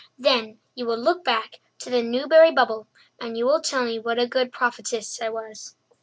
Then you will look back to the 'Newbury Bubble,' and you will tell me what a good prophetess I was."